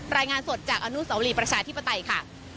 รายงานสดจากอนุสาวรีประชาธิปไตยค่ะ